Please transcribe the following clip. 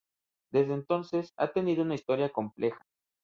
Desde entonces, ha tenido una historia compleja.